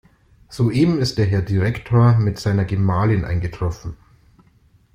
Soeben ist der Herr Direktor mit seiner Gemahlin eingetroffen.